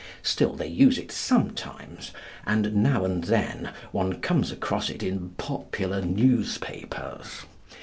Still, they use it sometimes, and, now and then, one comes across it in popular newspapers.